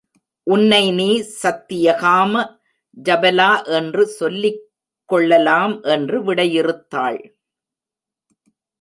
உன்னை நீ சத்யகாம ஜபலா என்று சொல்லிக் கொள்ளலாம் என்று விடையிறுத்தாள்.